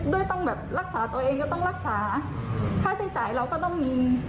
ต้องแบบรักษาตัวเองก็ต้องรักษาค่าใช้จ่ายเราก็ต้องมี